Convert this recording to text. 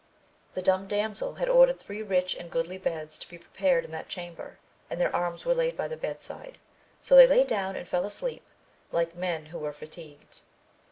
The dumb damsel had ordered three rich and goodly beds to be prepared in that chamber, and their arms were laid by the bed side, so they lay down and fell asleep like men who were fatigued.